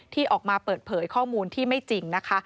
ที่ออกมาเปิดเผยข้อมูลที่ไม่จริงนะคะ